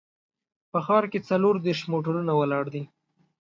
په ښار کې څلور دیرش موټرونه ولاړ وو.